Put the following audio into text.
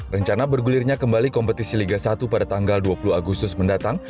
rencana bergulirnya kembali kompetisi liga satu pada tanggal dua puluh agustus mendatang